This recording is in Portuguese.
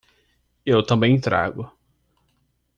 Eu também trago